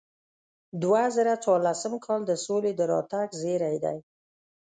دوه زره څوارلسم کال د سولې د راتګ زیری دی.